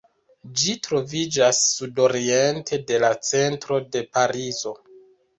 Ĝi troviĝas sudoriente de la centro de Parizo.